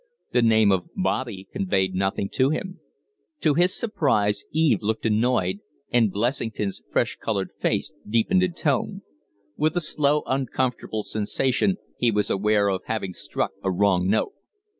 The name of Bobby conveyed nothing to him. To his surprise, Eve looked annoyed, and Blessington's fresh colored face deepened in tone. With a slow, uncomfortable sensation he was aware of having struck a wrong note.